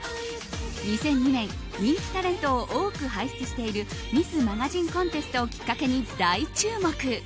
２００２年、人気タレントを多く輩出しているミスマガジンコンテストをきっかけに大注目。